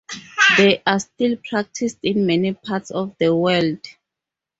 They are still practiced in many parts of the world.